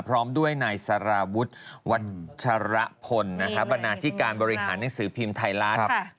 พร้อมด้วยนายสารวุฒิวัชรพลบรรณาธิการบริหารหนังสือพิมพ์ไทยรัฐ